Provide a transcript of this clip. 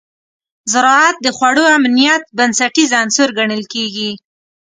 زراعت د خوړو امنیت بنسټیز عنصر ګڼل کېږي.